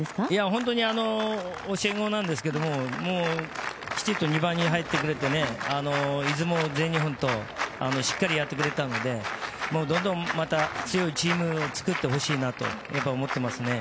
本当に教え子なんですがきちんと２番に入ってくれて出雲、全日本としっかりやってくれたのでどんどんまた強いチームを作ってほしいなと思っていますね。